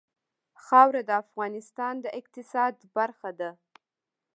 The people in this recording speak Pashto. خاوره د افغانستان د اقتصاد برخه ده.